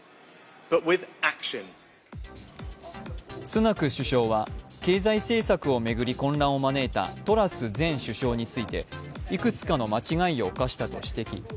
スナク首相は経済政策を巡り混乱を招いたトラス前首相についていくつかの間違いを犯したと指摘。